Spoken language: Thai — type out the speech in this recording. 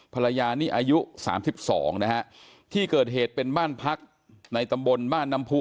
ภรรยานี่อายุ๓๒นะฮะที่เกิดเหตุเป็นบ้านพักในตำบลบ้านน้ำผู้